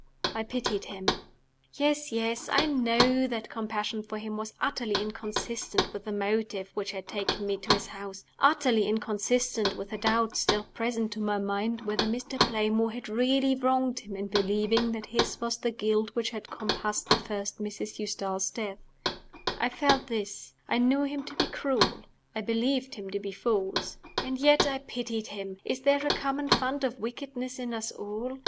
I pitied him. Yes, yes! I know that compassion for him was utterly inconsistent with the motive which had taken me to his house utterly inconsistent with the doubt, still present to my mind, whether Mr. Playmore had really wronged him in believing that his was the guilt which had compassed the first Mrs. Eustace's death. I felt this: I knew him to be cruel; I believed him to be false. And yet I pitied him! Is there a common fund of wickedness in us all?